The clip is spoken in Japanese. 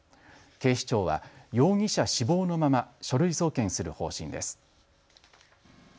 警視庁は容疑者死亡のまま書類送検する方針です。